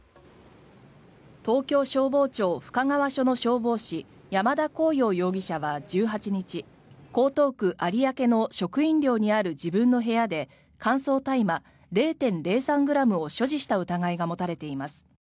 東京消防庁深川署の消防士山田虹桜容疑者は１８日江東区有明の職員寮にある自分の部屋で乾燥大麻０．０３ｇを所持した疑いが持たれています。